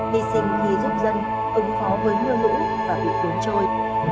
hy sinh khi giúp dân ứng phó với mưa lũ và bị cuốn trôi